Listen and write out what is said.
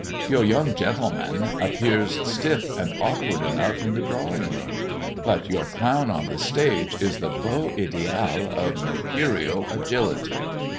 Your young gentleman appears stiff and awkward enough in the drawing room. But your clown on the stage is the beau ideal of mercurial agility.